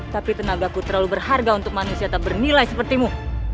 tapi tenagaku terlalu berharga untuk manusia tak bernilai sepertimu